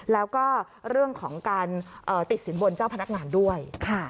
แล้วก็เรื่องของการติดสินบนเจ้าพนักงานด้วย